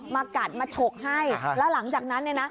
มากัดมาฉกให้แล้วหลังจากนั้นเนี่ยนะ